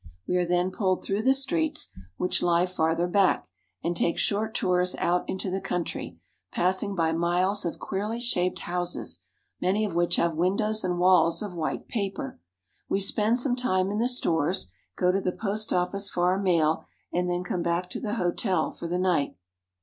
We are then pulled through the streets which lie farther 'back, and take short tours out into the country, passing by miles of queerly shaped houses, many of which have windows and walls of white paper. We spend some time in the stores, go to the post office for our mail, and then come back to the hotel for the night.